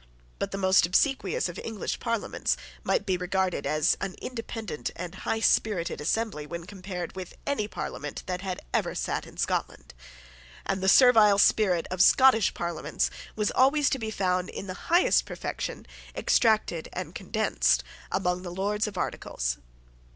But the most obsequious of English Parliaments might be regarded as an independent and high spirited assembly when compared with any Parliament that had ever sate in Scotland; and the servile spirit of Scottish Parliaments was always to be found in the highest perfection, extracted and condensed, among the Lords of Articles.